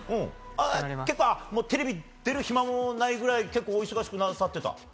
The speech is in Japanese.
結構テレビに出る暇もないぐらいお忙しくなさっていた？